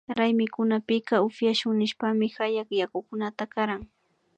Raymikunapika upyashun nishpami hayak yakukunata karan